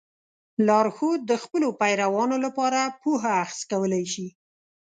لارښود د خپلو پیروانو لپاره پوهه اخذ کولی شي.